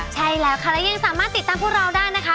ใช่แล้วค่ะและยังสามารถติดตามพวกเราได้นะคะ